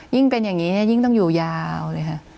ยิ่งเป็นอย่างนี้ยิ่งต้องอยู่ยาวเลยค่ะ